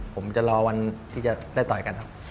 ผมจะรอวันที่จะได้ต่อยกันครับ